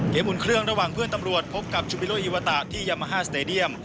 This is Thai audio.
อุ่นเครื่องระหว่างเพื่อนตำรวจพบกับชุบิโลอีวาตะที่ยามาฮาสเตดียม